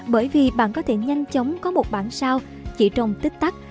bởi vì bạn có thể nhanh chóng có một bản sao chỉ trong tích tắc